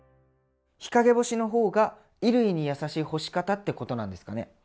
日陰干しの方が衣類にやさしい干し方ってことなんですかね？